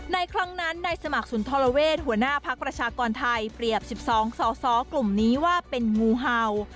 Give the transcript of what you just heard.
ในครั้งนั้นในสมัครสุนทรเวศหัวหน้าพักประชากรไทยเปรียบ๑๒สอสอกลุ่มนี้ว่าเป็นงูเห่า